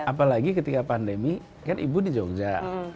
apalagi ketika pandemi kan ibu di jogja